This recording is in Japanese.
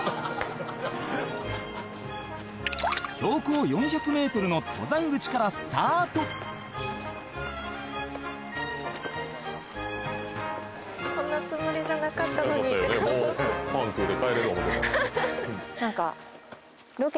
［標高４００ｍの登山口からスタート］